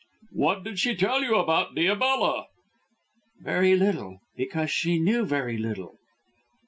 "What did she tell you about Diabella?" "Very little, because she knew very little."